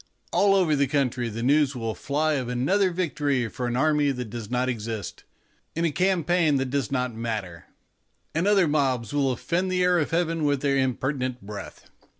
All over the country the news will fly of another victory for an army that does not exist, in a campaign that does not matter ; and other mobs will offend the air of heaven with their impertinent breath.